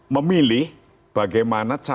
dari verdana ini apa saja